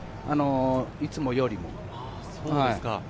いつもよりも。